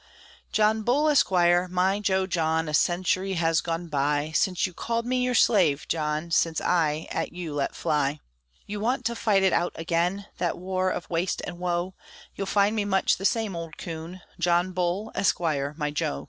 John Bull, Esquire, my jo John, A century has gone by, Since you called me your slave, John, Since I at you let fly. You want to fight it out again That war of waste and woe; You'll find me much the same old coon, John Bull, Esquire, my jo.